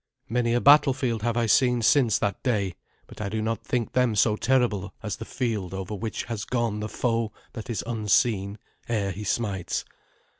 Many a battlefield have I seen since that day, but I do not think them so terrible as the field over which has gone the foe that is unseen ere he smites.